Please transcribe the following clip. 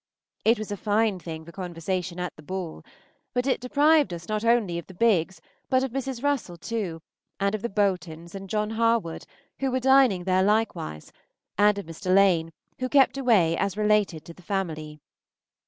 It was a fine thing for conversation at the ball. But it deprived us not only of the Biggs, but of Mrs. Russell too, and of the Boltons and John Harwood, who were dining there likewise, and of Mr. Lane, who kept away as related to the family.